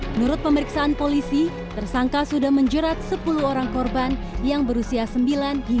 menurut pemeriksaan polisi tersangka sudah menjerat sepuluh orang korban yang berusia sembilan hingga lima tahun